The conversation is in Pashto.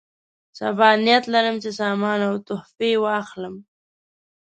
سبا نیت لرم چې سامان او تحفې واخلم.